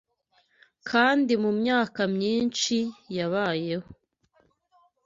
kandi mu myaka myinshi yabayeho